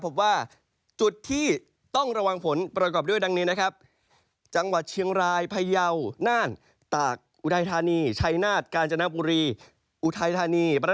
บอกว่าจุดที่ต้องระวังฝนประกอบด้วยดังนี้นะครับ